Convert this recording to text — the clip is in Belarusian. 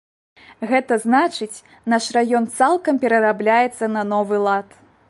Гэта значыць, наш раён цалкам перарабляецца на новы лад.